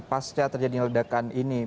pas terjadinya ledakan ini